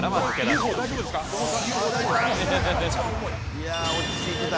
いやあ落ち着いてた。